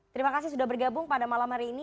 terima kasih sudah bergabung pada malam hari ini